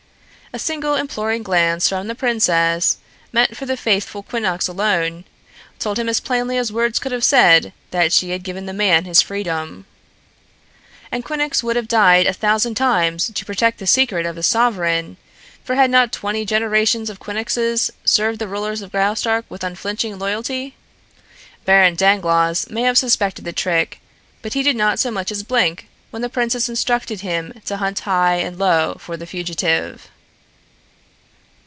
A single imploring glance from the princess, meant for the faithful Quinnox alone, told him as plainly as words could have said that she had given the man his freedom. And Quinnox would have died a thousand times to protect the secret of his sovereign, for had not twenty generations of Quinnoxes served the rulers of Graustark with unflinching loyalty? Baron Dangloss may have suspected the trick, but he did not so much as blink when the princess instructed him to hunt high and low for the fugitive.